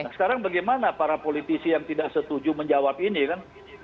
nah sekarang bagaimana para politisi yang tidak setuju menjawab ini kan